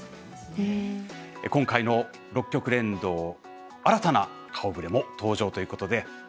今回の６局連動新たな顔ぶれも登場ということで。